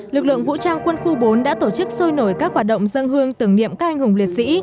lực lượng vũ trang quân khu bốn đã tổ chức sôi nổi các hoạt động dân hương tưởng niệm các anh hùng liệt sĩ